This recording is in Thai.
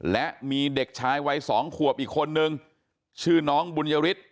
และมีเด็กชายวัยสองขวบอีกคนนึงชื่อน้องบุญยฤทธิ